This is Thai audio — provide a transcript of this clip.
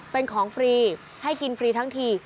เป็นของฟรีให้กินฟรีทั้งที